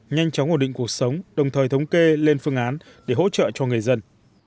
nhanh chóng ổn định cuộc sống đồng thời thống kê lên phương án để hỗ trợ cho người dân